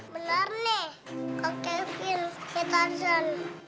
benar nih kak kevin si tarzan